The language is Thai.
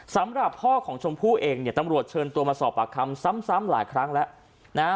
สำหรับพ่อของชมพู่เองเนี่ยตำรวจเชิญตัวมาสอบปากคำซ้ำหลายครั้งแล้วนะฮะ